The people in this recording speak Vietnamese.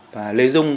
và lê dung